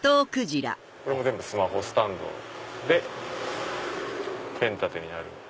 これも全部スマホスタンドでペン立てになる。